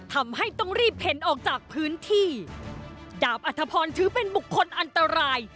ทำให้ต้องรีบเข็นออกจากพื้นที่ดาบอัธพรถือเป็นบุคคลอันตราย